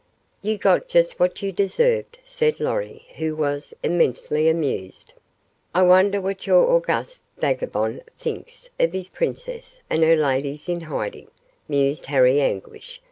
"You got just what you deserved," said Lorry, who was immensely amused. "I wonder what your august vagabond thinks of his princess and her ladies in hiding?" mused Harry Anguish.